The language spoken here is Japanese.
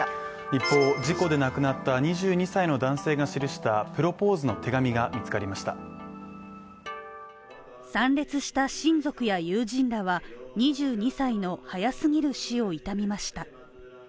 一方、事故で亡くなった２２歳の男性が記したプロポーズの手紙が見つかりました参列した親族や友人らは２２歳の早すぎる死を悼みました。